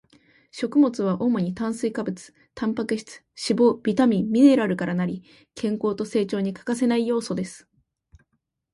食物は主に炭水化物、タンパク質、脂肪、ビタミン、ミネラルから成り、健康と成長に欠かせない要素です